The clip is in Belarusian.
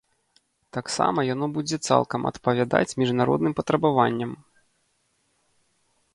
Таксама яно будзе цалкам адпавядаць міжнародным патрабаванням.